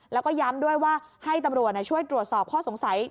แล้วก็ย้ำด้วยว่าให้ตำรวจช่วยตรวจสอบข้อสงสัย